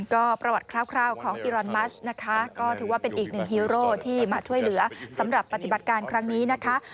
ก็ประวัติคร่าวของอิรอนมัสนะคะก็ถือว่าเป็นอีกหนึ่งฮีโร่ที่มาช่วยเหลือสำหรับปฏิบัติการครั้งนี้นะคะ